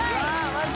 マジ